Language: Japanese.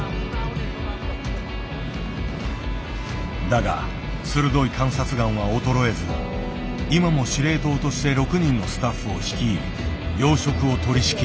だが鋭い観察眼は衰えず今も司令塔として６人のスタッフを率い養殖を取りしきる。